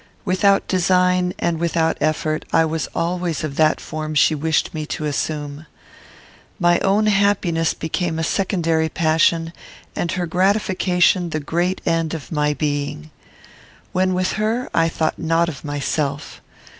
Without design and without effort, I was always of that form she wished me to assume. My own happiness became a secondary passion, and her gratification the great end of my being. When with her, I thought not of myself.